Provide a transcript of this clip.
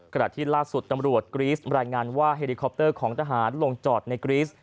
ขณะที่ล่าสุดตำรวจกรีสรายงานว่าเฮลิคอปเตอร์ของทหารลงจอดในกรีส